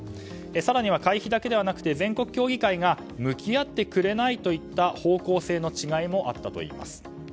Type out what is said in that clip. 更には会費だけではなくて全国協議会が向き合ってくれないといった方向性の違いもあったといいます。